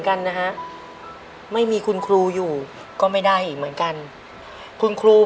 ในแคมเปญพิเศษเกมต่อชีวิตโรงเรียนของหนู